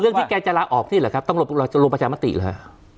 เรื่องที่แกจะลากออกที่นี่เหรอครับต้องรวบรวมประชามติเหรอฮะ